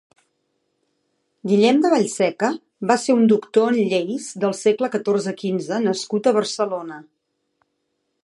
Guillem de Vallseca va ser un doctor en lleis del segle catorze-quinze nascut a Barcelona.